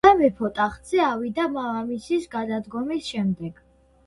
სამეფო ტახტზე ავიდა მამამისის გადადგომის შემდეგ.